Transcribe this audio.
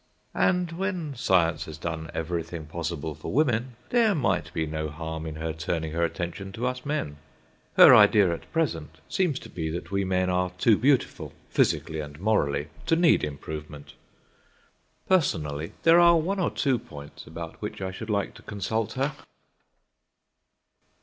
And, when Science has done everything possible for women, there might be no harm in her turning her attention to us men. Her idea at present seems to be that we men are too beautiful, physically and morally, to need improvement. Personally, there are one or two points about which I should like to consult her.